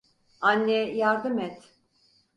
Anne, yardım et!